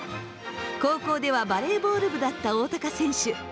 高校ではバレーボール部だった大高選手。